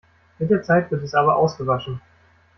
Mit der Zeit wird es aber ausgewaschen.